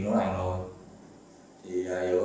ở đây mà chứ